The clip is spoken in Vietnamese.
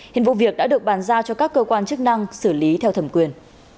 hiện vụ việc đã được bàn giao cho các cơ quan chức năng xử lý theo thẩm quyền